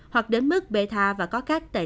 hoặc đến mức bê tha và có cách tệ niệm